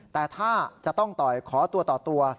แต่ถ้าจะต้องต่อยขอตัวต่อตัว